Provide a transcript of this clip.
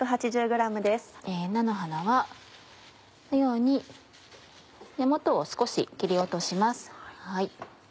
菜の花はこのように根元を少し切り落とします。